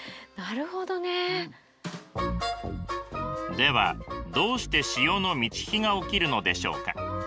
ではどうして潮の満ち干が起きるのでしょうか。